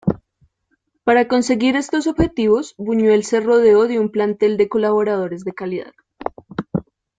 Para conseguir estos objetivos Buñuel se rodeó de un plantel de colaboradores de calidad.